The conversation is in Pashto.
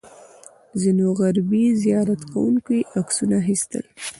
ځینو غربي زیارت کوونکو یې عکسونه اخیستل.